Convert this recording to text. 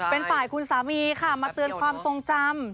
เป็นฝ่ายคุณสามีค่ะมาเตือนความทรงจำ